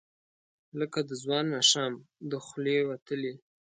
لکه د ځوان ماښام، د خولې وتلې،